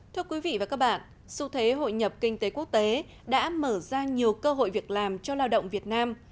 thưa quý vị và các bạn xu thế hội nhập kinh tế quốc tế đã mở ra nhiều cơ hội việc làm cho lao động việt nam